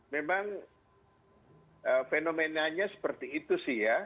memang fenomenanya seperti itu sih ya